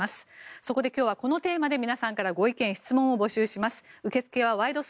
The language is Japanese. そこで、今日はこのテーマで皆さんからご意見・質問を募集します。